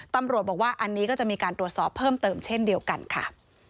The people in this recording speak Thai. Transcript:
ตำรวจบอกว่าอันนี้ก็จะมีการตรวจสอบเพิ่มเติมเช่นเดียวกันค่ะ